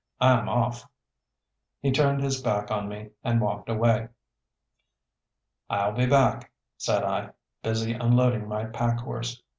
I'm off." He turned his back on me and walked away. "I'll be back," said I, busy unloading my pack horse.